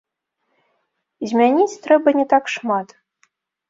Змяніць трэба не так шмат.